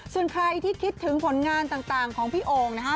ส่วนใครที่คิดถึงผลงานต่างของพี่โอ่งนะฮะ